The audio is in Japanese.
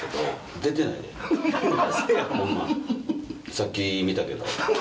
さっき見たけど。